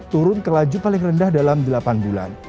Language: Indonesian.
turun ke laju paling rendah dalam delapan bulan